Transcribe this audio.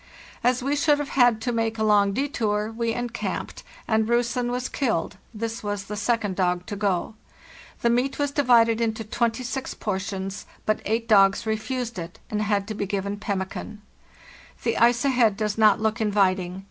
As we should have had to make a long detour, we encamped, and ' Russen' was killed (this was the second dog to go). The meat was divided into 26 portions, but 8 dogs refused it, and had to be given pemmican. The ice ahead does not S look inviting.